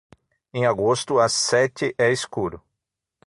Em agosto, às sete é escuro.